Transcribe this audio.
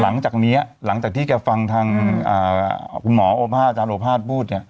หลังจากนี้หลังจากที่แกฟังทางคุณหมอโอภาษอาจารย์โอภาษพูดเนี่ย